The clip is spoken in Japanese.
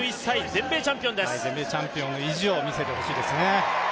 全米チャンピオンの意地を見せてほしいですね。